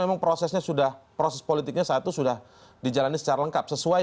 dan usia pensiun itu memang domain